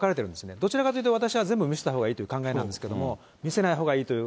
どちらかというと、私は全部見せたほうがいいという考えなんですけれども、見せないほうがいいという。